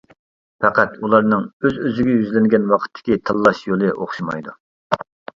پەقەت ئۇلارنىڭ ئۆز-ئۆزىگە يۈزلەنگەن ۋاقىتتىكى تاللاش يولى ئوخشىمايدۇ.